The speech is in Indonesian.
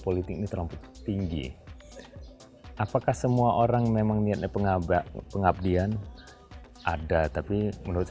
politik ini terlalu tinggi apakah semua orang memang niatnya pengabak pengabdian ada tapi menurut saya